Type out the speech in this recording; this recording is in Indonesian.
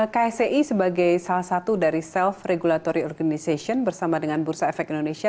ksei sebagai salah satu dari self regulatory organization bersama dengan bursa efek indonesia